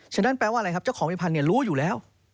ฉะนั้นแปลว่าอะไรครับเจ้าของพิพันธ์รู้อยู่แล้ว